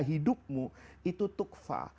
hidupmu itu tukfa